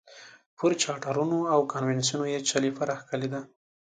پر چارټرونو او کنونسینونو یې چلیپا راښکلې ده.